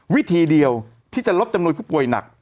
วิธีเดียวที่จะลดจำนวนผู้ป่วยหนัก